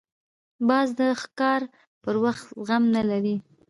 باز د ښکار پر وخت زغم نه لري